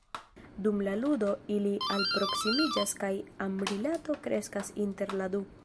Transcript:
Dum la ludo, ili alproksimiĝas kaj amrilato kreskas inter la du.